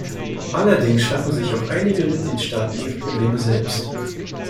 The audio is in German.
Allerdings schaffen sich auch einige Mitgliedstaaten ihre Probleme selbst.